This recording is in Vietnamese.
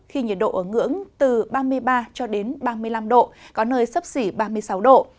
khi nhiệt độ ở ngưỡng từ ba mươi ba cho đến ba mươi năm độ có nơi sấp xỉ ba mươi sáu độ